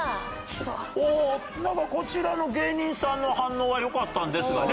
おおこちらの芸人さんの反応は良かったんですがね。